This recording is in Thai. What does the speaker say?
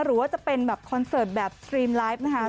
หรือว่าจะเป็นแบบคอนเสิร์ตแบบสตรีมไลฟ์นะคะ